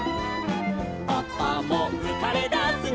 「パパもうかれだすの」